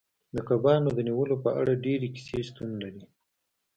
د کبانو د نیولو په اړه ډیرې کیسې شتون لري